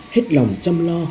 hết lòng chăm lo